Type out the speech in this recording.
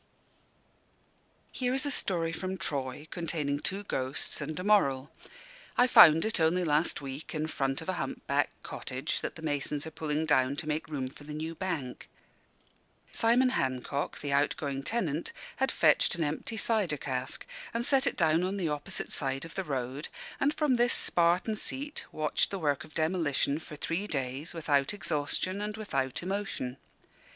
Here is a story from Troy, containing two ghosts and a moral. I found it, only last week, in front of a hump backed cottage that the masons are pulling down to make room for the new Bank. Simon Hancock, the outgoing tenant, had fetched an empty cider cask, and set it down on the opposite side of the road; and from this Spartan seat watched the work of demolition for three days, without exhaustion and without emotion.